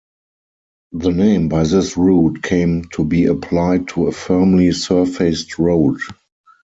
The name by this route came to be applied to a firmly-surfaced road.